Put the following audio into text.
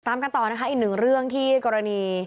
ตามกันต่ออีกหนึ่งเรื่องที่